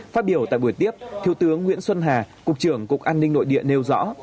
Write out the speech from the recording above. phát biểu tại buổi tiếp thiếu tướng nguyễn xuân hà cục trưởng cục an ninh nội địa nêu rõ